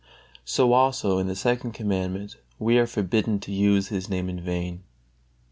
So also in the Second Commandment we are forbidden to use His Name in vain.